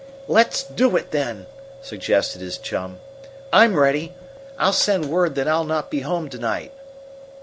"Let's do it, then!" suggested his chum. "I'm ready. I'll send word that I'll not be home to night."